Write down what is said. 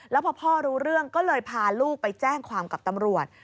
แล้วพอพ่อรู้เรื่องก็เลยพาลูกไปแจ้งความกับตำรวจ